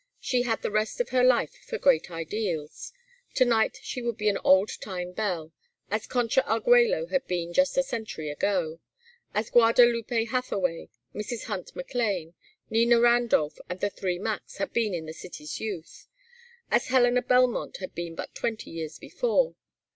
She had the rest of her life for great ideals. To night she would be an old time belle: as Concha Argüello had been just a century ago, as Guadalupe Hathaway, Mrs. Hunt McLane, Nina Randolph, and "The Three Macs," had been in the city's youth; as Helena Belmont had been but twenty years before.